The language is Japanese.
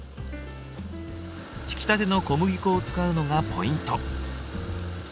ひきたての小麦粉を使うのがポイント。